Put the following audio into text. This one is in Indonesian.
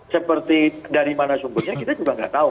seperti dari mana sumbernya kita juga nggak tahu